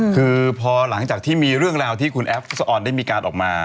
คือพอหลังจากที่มีเรื่องราวที่คุณแอฟฟุศออนได้มีการออกมา